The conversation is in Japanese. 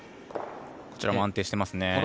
こちらも安定していますね。